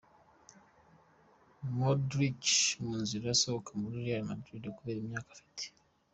Modric mu nzira zihoka muri Real Madrid kubera imyaka afite.